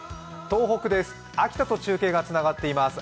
東北です、秋田と中継がつながっています。